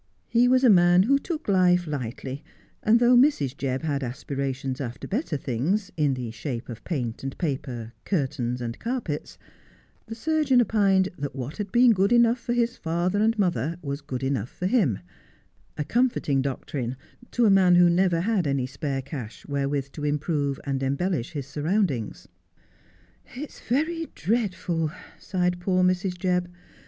He was a man who took life lightly, and though Mrs. Jebb had aspirations after better things, in the shape of paint and paper, curtains and carpets, the surgeon opined that what had been good enough for his father and mother was good enough for him : a comforting doctrine to a man who never had any spare cash wherewith to improve and embellish his surroundings. 180 Just as I Am. 'It's very dreadful,' sighed poor Mrs. Jebb.